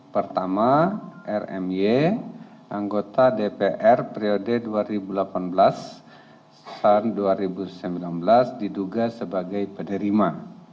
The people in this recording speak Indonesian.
pertama rmy anggota dpr periode dua ribu delapan belas dua ribu sembilan belas diduga sebagai penerima